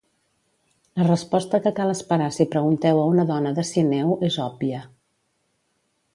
La resposta que cal esperar si pregunteu a una dona de Sineu és òbvia.